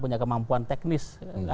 punya kemampuan teknis